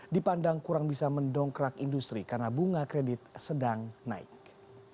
dipandang kurang bisa mendongkrak industri karena bunga kredit sedang naik